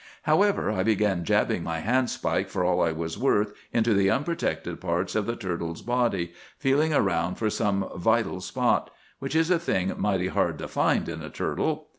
However, I began jabbing my handspike for all I was worth into the unprotected parts of the turtle's body, feeling around for some vital spot,—which is a thing mighty hard to find in a turtle!